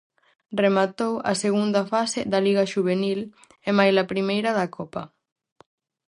Rematou a segunda fase da liga xuvenil e maila primeira da copa.